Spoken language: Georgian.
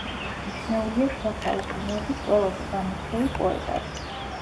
მიჩნეულია შუა საუკუნეების ყველაზე გამორჩეულ პოეტად.